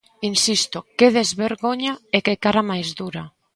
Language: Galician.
Insisto, ¡que desvergoña e que cara máis dura!